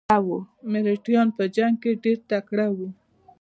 مراتیان په جنګ کې ډیر تکړه وو.